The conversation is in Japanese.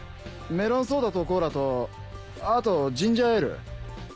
メロンソーダとコーラとあとジンジャーエール。